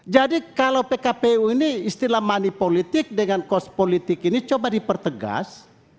jadi kalau pkpu ini istilah money politik dengan cost politik ini coba dipertegas